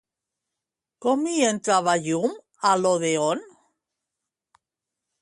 Com hi entrava llum a l'odèon?